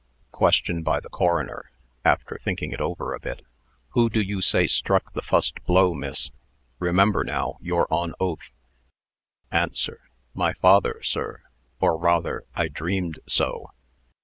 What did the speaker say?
QUESTION BY THE CORONER (after thinking it over a bit). "Who do you say struck the fust blow, miss? Remember, now, you're on oath." ANSWER. "My father, sir or rather, I dreamed so."